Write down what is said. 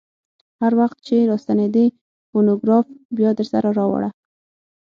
هر وخت چې راستنېدې فونوګراف بیا درسره راوړه.